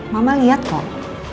mama lihat kok